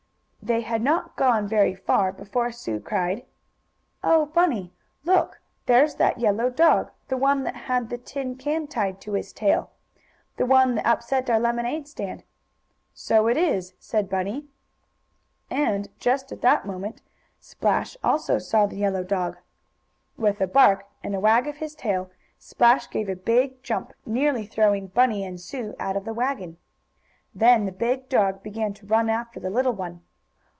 They had not gone very far before Sue cried: "Oh, Bunny! Look! There's that yellow dog the one that had the tin can tied to his tail the one that upset our lemonade stand!" "So it is!" said Bunny. And, just at that moment, Splash also saw the yellow dog. With a bark and a wag of his tail, Splash gave a big jump, nearly throwing Bunny and Sue out of the wagon. Then the big dog began to run after the little one.